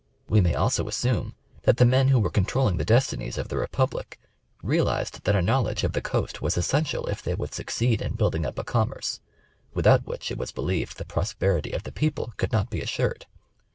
We may also assume that the men who were controlling the destinies of the republic, real ized that a knowledge of the coast was essential if they would succeed in building up a commerce, without which it was believed the prosperity of the people could not be assured.